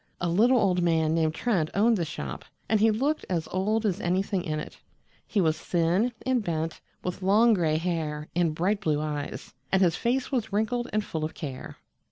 A little old man named Trent owned the shop, and he looked as old as anything in it. He was thin and bent, with long gray hair and bright blue eyes, and his face was wrinkled and full of care.